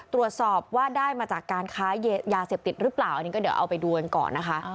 ตรวจสอบว่าได้มาจากการค้ายาเสพติดหรือเปล่าอันนี้ก็เดี๋ยวเอาไปดูกันก่อนนะคะ